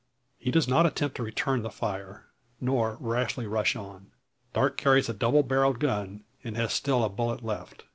He does not attempt to return the fire, nor rashly rush on. Darke carries a double barrelled gun, and has still a bullet left.